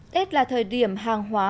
tết là thời điểm hàng hóa